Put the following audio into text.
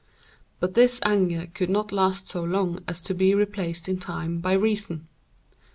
But this anger could not last so long as to be replaced in time by reason.